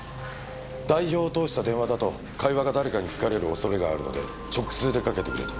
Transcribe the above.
代表を通した電話だと会話が誰かに聞かれる恐れがあるので直通でかけてくれと。